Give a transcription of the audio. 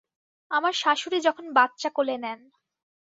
আমার শাশুড়ি যখন বাচ্চা কোলে নেন।